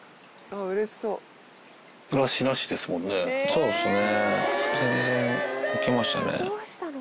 そうっすね。